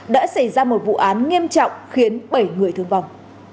đã xảy ra một vụ án nghiêm trọng khiến bảy người thương vong